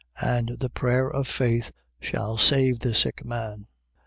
And the prayer of faith shall save the sick man.